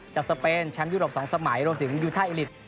สเปนแชมป์ยุโรป๒สมัยรวมถึงยูท่าอิลิต